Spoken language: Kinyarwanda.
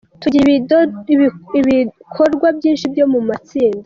Tugira ibikodwa byinshi byo mumatsinda.